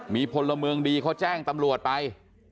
มีพลเมืองดีเขาแจ้งตำรวจไป